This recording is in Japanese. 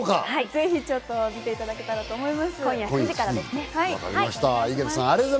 ぜひ見ていただきたいと思い